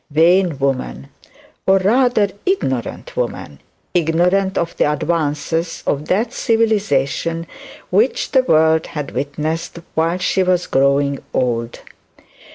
Vain woman or rather ignorant woman ignorant of the advances of that civilization which the world had witnessed while she was growing old.